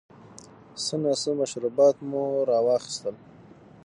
څه ناڅه مشروبات مو را واخیستل.